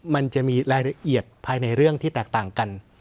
มันจะมีรายละเอียดภายในเรื่องที่แตกต่างกัน